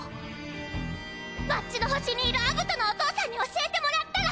わっちの星にいるアブトのお父さんに教えてもらったら！